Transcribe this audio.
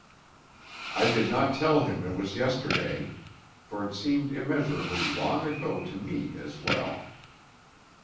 I did not tell him it was yesterday. For it seemed immeasurably long ago to me as well.